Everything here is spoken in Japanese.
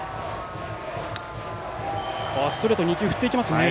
ストレート２球振って行きますね。